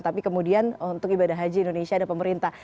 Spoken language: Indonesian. tapi kemudian untuk ibadah haji indonesia ada pemerintah